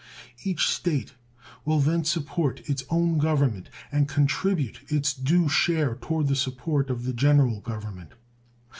Each State will then support its own government and contribute its due share toward the support of the General Government.